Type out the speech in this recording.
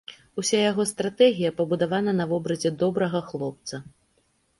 Уся яго стратэгія пабудаваная на вобразе добрага хлопца.